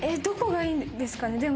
どこがいいんですかね？